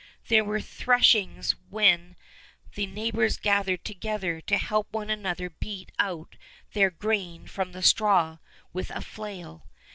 There were threshings when the neighbors gathered together to help one another beat out their grain from the straw with a flail.